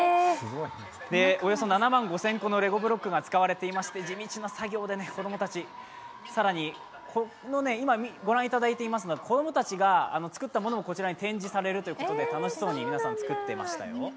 およそ７万５０００個のレゴブロックが使われていまして、地道な作業で、更に今ご覧いただいているのは子供たちが作ったものもこちらに展示されるということで皆さん作っていましたよ。